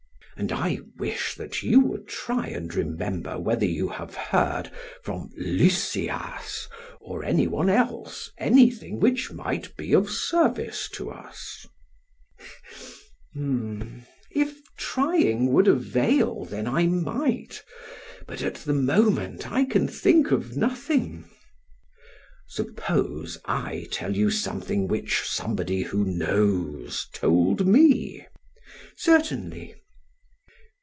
And I wish that you would try and remember whether you have heard from Lysias or any one else anything which might be of service to us. PHAEDRUS: If trying would avail, then I might; but at the moment I can think of nothing. SOCRATES: Suppose I tell you something which somebody who knows told me. PHAEDRUS: Certainly.